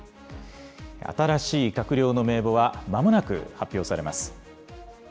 新しい閣僚の名簿はまもなく発表されます。